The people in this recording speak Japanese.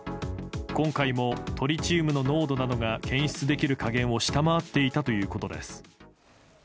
今回もトリチウムの濃度などが検出できる下限を下回っていたということです。